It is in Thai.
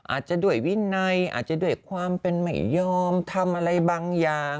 อาจจะด้วยวินัยอาจจะด้วยความเป็นไม่ยอมทำอะไรบางอย่าง